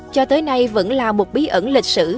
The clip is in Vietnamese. cho tới nay vẫn là một bí ẩn lịch sử